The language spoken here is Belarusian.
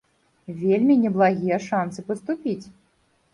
Вельмі неблагія шанцы паступіць!